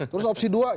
terus opsi dua